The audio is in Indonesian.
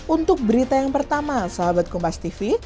untuk berita yang pertama sobat kompastv